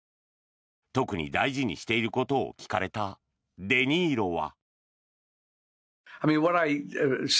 特に大事にしていることを聞かれたデ・ニーロは。